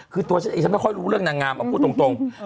คือตัวฉันเองฉันไม่ค่อยรู้เรื่องนางงามเอาพูดตรง